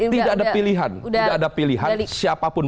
tidak ada pilihan siapapun